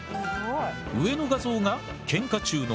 上の画像がケンカ中のサケ。